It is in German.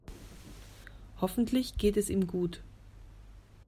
Hoffentlich geht es ihm gut.